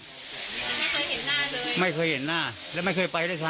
ไม่เคยเห็นหน้าเลยไม่เคยเห็นหน้าและไม่เคยไปด้วยซ้